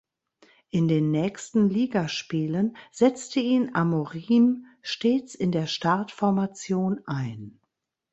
In den nächsten Ligaspielen setzte ihn Amorim stets in der Startformation ein.